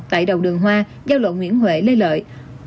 tại đầu đường hoa giao lộ nguyễn huệ lê lợi